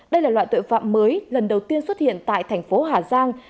đây là loại tội phạm mới lần đầu tiên xuất hiện tại tp hà giang